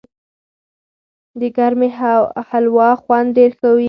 د ګرمې هلوا خوند ډېر ښه و.